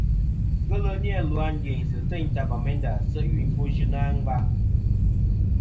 Ghelɨ ni-a lu a ndiynsɨ̀ teyn ta Bamenda se' i yuyn i ɨfwo yɨnɨ a ngva.